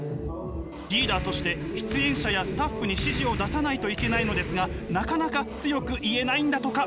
リーダーとして出演者やスタッフに指示を出さないといけないのですがなかなか強く言えないんだとか。